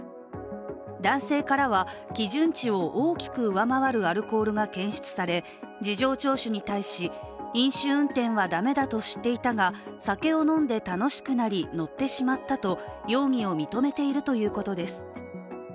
男性からは基準値を大きく上回るアルコールが検出され、事情聴取に対し、飲酒運転は駄目だと知っていたが酒を飲んで楽しくなり、乗ってしまったと容疑を認めているということです。